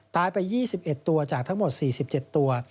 ตายไปยี่สิบเอ็ดตัวจากทั้งหมดสี่สิบเจ็ดตัว